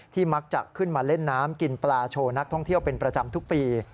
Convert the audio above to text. มักจะขึ้นมาเล่นน้ำกินปลาโชว์นักท่องเที่ยวเป็นประจำทุกปี